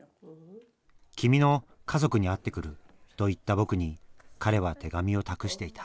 君の家族に会ってくると言った僕に彼は手紙を託していた